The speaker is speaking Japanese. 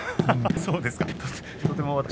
そうですね